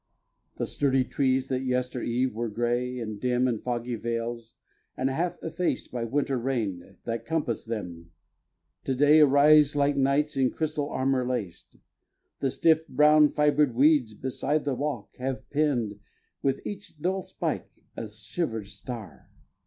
The sturdy trees that yester eve were gray In dim and foggy veils, and half effaced By winter rain that compassed them, to day Arise like knights in crystal armor laced. The stiff, brown fibered weeds beside the walk Have pinned, with each dull spike, a shivered star.